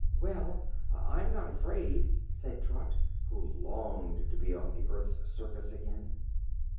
"Well, I'm not afraid," said Trot, who longed to be on the earth's surface again.